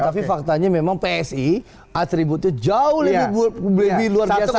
tapi faktanya memang psi atributnya jauh lebih luar biasa